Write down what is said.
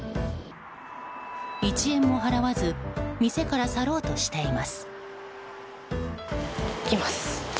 １円も払わず店から去ろうとしています。